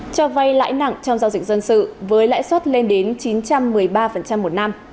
cho vay lãi nặng trong giao dịch dân sự với lãi suất lên đến chín trăm một mươi ba một năm